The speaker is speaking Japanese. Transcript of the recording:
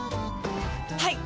はい！